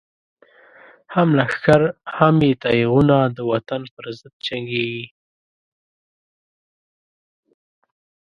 هم لښکر هم یی تیغونه، دوطن پر ضد جنګیږی